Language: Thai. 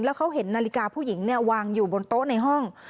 แล้วเขาเห็นนาฬิกาผู้หญิงวางอยู่บนโต๊ะในห้อง